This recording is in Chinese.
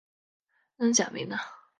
恩贾梅纳。